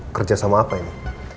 kerjasama apa ini